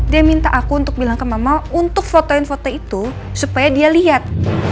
dia minta aku untuk bilang ke mama untuk fotoin foto itu supaya dia lihat